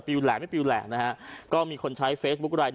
ไปแหล่มไม่ไปแหล่งนะฮะก็มีคนใช้เฟสบุ๊คลาย